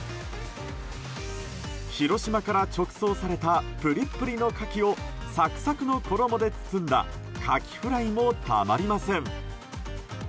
広島から直送されたプリプリのカキをサクサクの衣で包んだカキフライもたまりません。